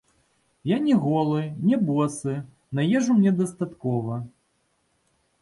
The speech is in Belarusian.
Я не голы, не босы, на ежу мне дастаткова.